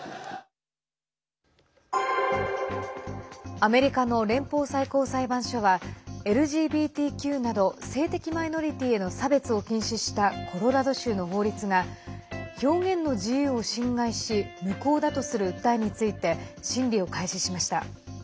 アメリカの連邦最高裁判所はＬＧＢＴＱなど性的マイノリティーへの差別を禁止したコロラド州の法律が表現の自由を侵害し無効だとする訴えについて審理を開始しました。